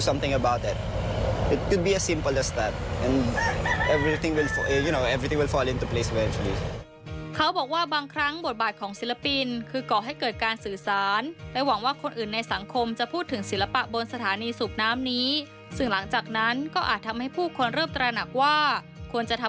มีความสามารถทำอะไรก็ได้มันก็จะเป็นสิ่งที่สิ่งสังเกตุรกิจ